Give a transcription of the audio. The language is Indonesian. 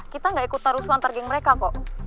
kita gak ikut taruh suantar geng mereka kok